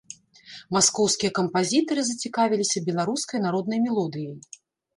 Маскоўскія кампазітары зацікавіліся беларускай народнай мелодыяй.